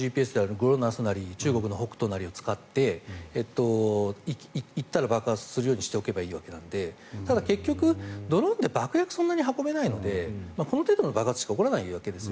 中国の北斗なりを使って行ったら爆発するようにしておけばいいわけなのでただ、結局ドローンって爆薬をそんなに運べないのでこの程度の爆発しか起こらないんです。